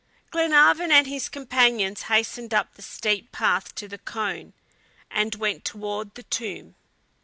Glenarvan and his companions hastened up the steep path to the cone, and went toward the tomb.